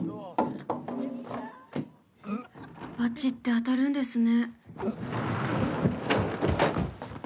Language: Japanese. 罰って当たるんですね。